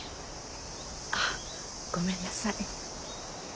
あっごめんなさい。